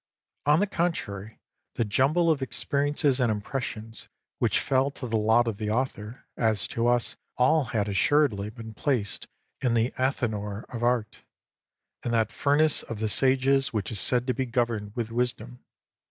On the contrary, the jumble of experiences and impressions which fell to the lot of the author as to us all had assuredly been placed in the athanor of art, in that furnace of the sages which is said to be governed ivith wisdom.